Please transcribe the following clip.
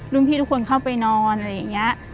พี่ทุกคนเข้าไปนอนอะไรอย่างนี้